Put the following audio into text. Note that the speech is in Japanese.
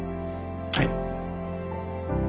はい。